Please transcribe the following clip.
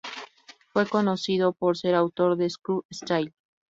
Fue conocido por ser autor de ""Screw Style"".